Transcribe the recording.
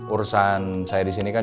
urusan saya disini kan